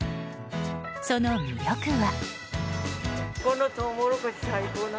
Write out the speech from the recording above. その魅力は。